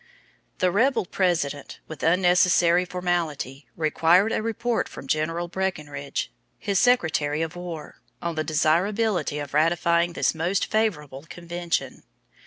The rebel President, with unnecessary formality, required a report from General Breckinridge, his Secretary of War, on the desirability of ratifying this most favorable convention.